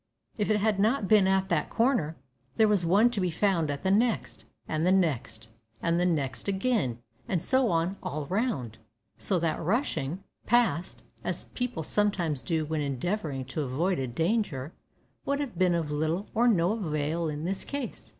If it had not been at that corner, there was one to be found at the next and the next and the next again, and so on all round; so that, rushing past, as people sometimes do when endeavouring to avoid a danger, would have been of little or no avail in this case.